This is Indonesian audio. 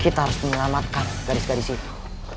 kita harus menyelamatkan gadis gadis itu